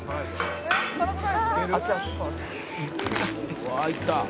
「うわいった！」